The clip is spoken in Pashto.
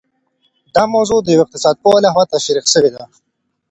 دا موضوع د يوه اقتصاد پوه لخوا تشرېح سوې ده.